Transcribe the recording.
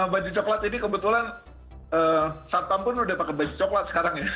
baju coklat ini kebetulan satpam pun udah pakai baju coklat sekarang ya